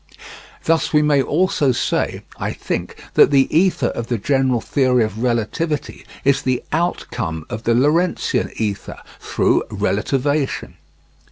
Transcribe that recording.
Thus we may also say, I think, that the ether of the general theory of relativity is the outcome of the Lorentzian ether, through relativation.